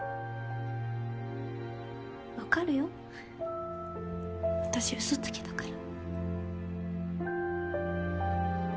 わかるよ私うそつきだから。